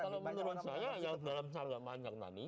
kalau menurut saya ya dalam salga banyak tadi